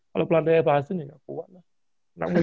tapi pas motosiknya gak kuat